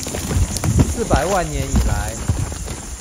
四百萬年以來